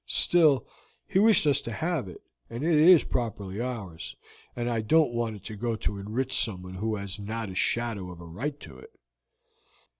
Still, he wished us to have it, and it is properly ours, and I don't want it to go to enrich someone who has not a shadow of a right to it."